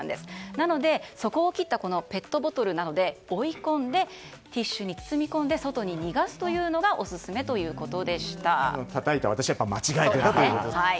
なので、底を切ったペットボトルなどで追い込んでティッシュに包み込み外に逃がすのがたたいた私は間違いでしたね。